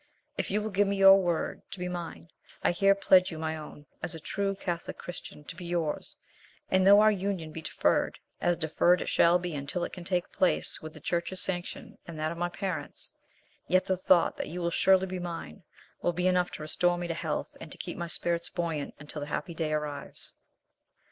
If you will give me your word to be mine, I here pledge you my own, as a true catholic Christian, to be yours; and though our union be deferred, as deferred it shall be until it can take place with the church's sanction and that of my parents, yet the thought that you will surely be mine, will be enough to restore me to health, and to keep my spirits buoyant until the happy day arrives."